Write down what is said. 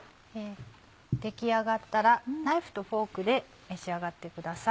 出来上がったらナイフとフォークで召し上がってください。